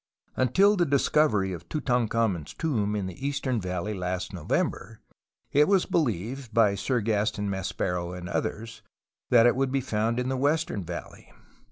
Until the discovery of Tutankhamen's tomb in the Eastern Valley last November it was believed (by Sir Gaston Maspero and others) that it would be found in the Western \'^ alley.